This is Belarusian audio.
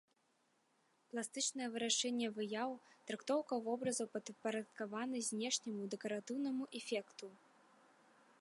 Пластычнае вырашэнне выяў, трактоўка вобразаў падпарадкаваны знешняму дэкаратыўнаму эфекту.